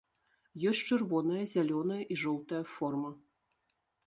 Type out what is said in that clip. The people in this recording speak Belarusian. Ёсць чырвоная, зялёная і жоўтая форма.